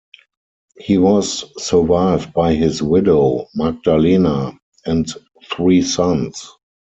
He was survived by his widow, Magdalena, and three sons.